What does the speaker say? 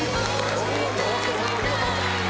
お見事！